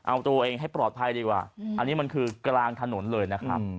อันนี้มันคือกลางถนนเลยนะครับ